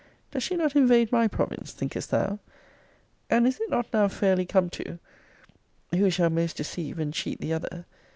Does she not invade my province, thinkest thou? And is it not now fairly come to Who shall most deceive and cheat the other?